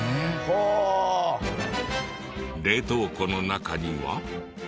冷凍庫の中には。